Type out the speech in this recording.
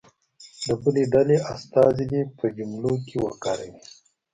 د بلې ډلې استازی دې په جملو کې وکاروي.